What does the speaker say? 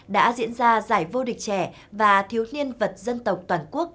đã diễn ra giải vô địch trẻ và thiếu niên vật dân tộc toàn quốc